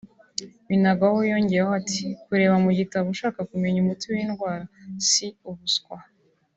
Binagwaho yongeyeho ati ”Kureba mu gitabo ushaka kumenya umuti w’indwara si ubuswa